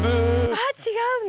あっ違うの？